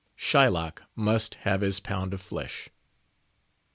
Shylock must have his pound of flesh.